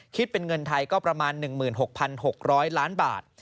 คิดเป็นเงินไทยก็ประมาณ๑๖๖๐๐ล้านบาท